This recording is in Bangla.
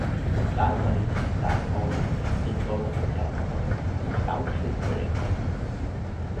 তার বাড়িতে তার অগোচরে যে তল্লাশি চালানো হবে তা-ও সে ধরে রেখেছিল।